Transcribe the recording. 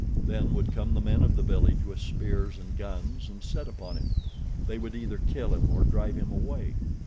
Then would come the men of the village with spears and guns and set upon him. They would either kill him or drive him away.